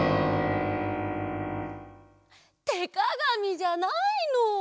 てかがみじゃないの！